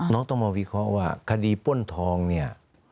ต้องมาวิเคราะห์ว่าคดีป้นทองเนี่ย